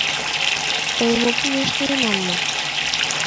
Тыйым ӧкымеш налынам мо?